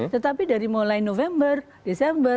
tetapi dari mulai november desember